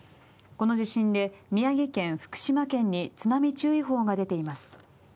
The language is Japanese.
この地震で宮城県福島県に津波注意報が出ています。